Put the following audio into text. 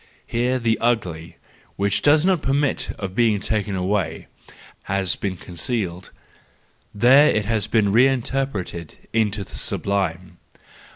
Here the ugly, which does not permit of being taken away, has been concealed, there it has been re interpreted 224 THE JOYFUL WISDOM, IV into the sublime.